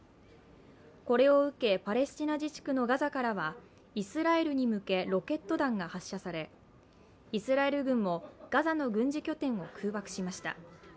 これを受け、パレスチナ自治区のガザからはイスラエルに向けロケット弾が発射されイスラエル軍もガザの軍事拠点を空爆しました。